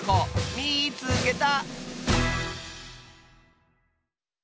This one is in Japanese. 「みいつけた！」。